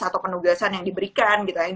atau penugasan yang diberikan gitu yang di